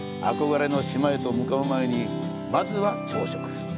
憧れの島へと向かう前に、まずは朝食。